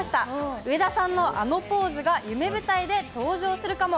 上田さんのあのポーズが夢舞台で登場するかも。